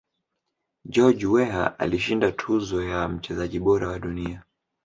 george Weah alishinda tuzo ya mchezaji bora wa dunia